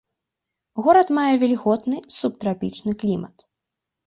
Горад мае вільготны субтрапічны клімат.